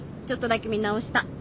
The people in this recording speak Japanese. ちょっとだけ見直した。